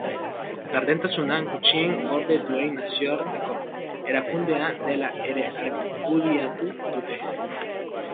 Gardentasuna gutxien gorde duen nazioarteko erakundea dela ere argudiatu dute.